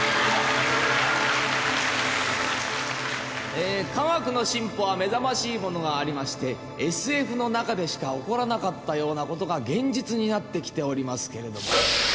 えー科学の進歩は目覚ましいものがありましてＳＦの中でしか起こらなかったようなことが現実になってきておりますけれども。